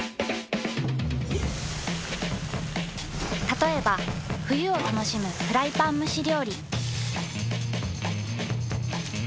たとえば冬を楽しむフライパン蒸し料理。